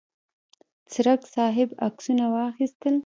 څرک صاحب عکسونه واخیستل.